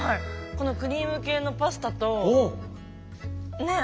このクリーム系のパスタとねえ